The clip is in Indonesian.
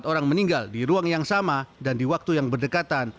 empat orang meninggal di ruang yang sama dan di waktu yang berdekatan